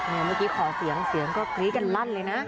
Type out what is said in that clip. เมื่อกี้ขอเสียงเสียงก็กรี๊ดกันลั่นเลยนะ